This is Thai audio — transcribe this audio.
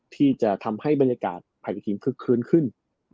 ที่จะทำให้บรรยากาศภายในทีมคึกคืนขึ้น